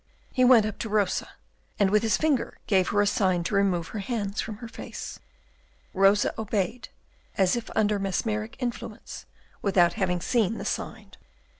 He went up to Rosa, and with his finger, gave her a sign to remove her hands from her face. Rosa obeyed, as if under mesmeric influence, without having seen the sign.